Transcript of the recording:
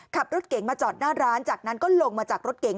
ขับรถเก๋งมาจอดหน้าร้านจากนั้นก็ลงมาจากรถเก๋ง